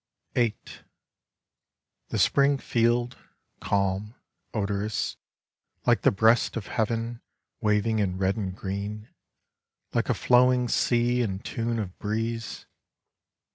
Prose Poems 79 VIII The Spring field, calm, odorous, like the breast of Heaven, waving in red and green, like a flowing sea in tune of breeze.